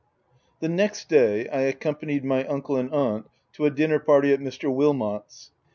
The next day, I accompanied my uncle and aunt to a dinner party at Mr. Wil mot's.